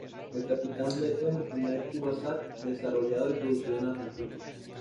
El "Capitán Beto" es el primer CubeSat desarrollado y producido en la Argentina.